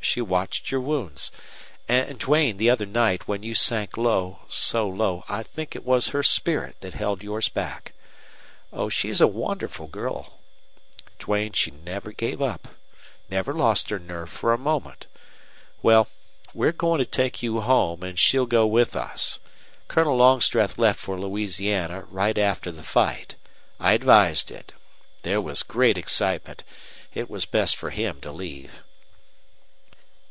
She watched your wounds. And, Duane, the other night, when you sank low so low I think it was her spirit that held yours back. Oh, she's a wonderful girl. Duane, she never gave up, never lost her nerve for a moment. Well, we're going to take you home, and she'll go with us. Colonel Longstreth left for Louisiana right after the fight. I advised it. There was great excitement. It was best for him to leave."